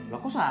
lah kok salah